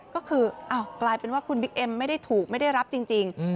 ก็คือกลายเป็นว่าคุณบิ๊กเอ็มไม่ได้ถูกไม่ได้รับจริง